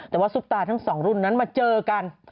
แต่ว่าซุปตาทั้งสองรุ่นนั้นมาเจอกัน